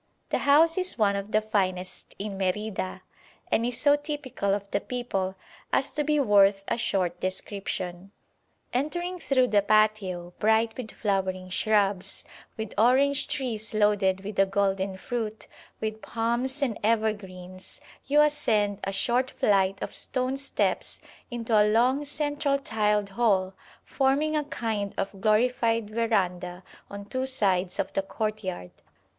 The house is one of the finest in Merida, and is so typical of the people as to be worth a short description. Entering through the patio, bright with flowering shrubs, with orange trees loaded with the golden fruit, with palms and evergreens, you ascend a short flight of stone steps into a long central tiled hall forming a kind of glorified verandah on two sides of the courtyard.